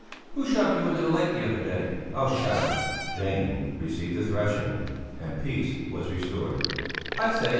"Who shoved you into the lake the other day?" "Oh! shut up!" Janne received a thrashing, and peace was restored. "I say!